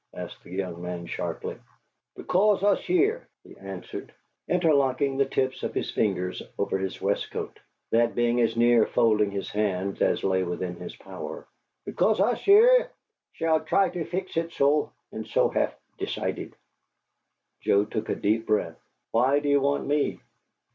asked the young man, sharply. "Bickoss us here," he answered, interlocking the tips of his fingers over his waistcoat, that being as near folding his hands as lay within his power, "bickoss us here shall try to fix it so, und so hef ditcided." Joe took a deep breath. "Why do you want me?"